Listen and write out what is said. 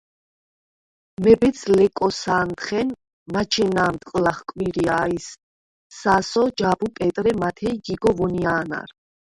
მებეც-ლეკოსა̄ნდხენ მაჩენა̄მდ ყჷლახ კვირიაჲს სასო, ჯაბუ, პეტრე, მათე ი გიგო ვონია̄ნარ.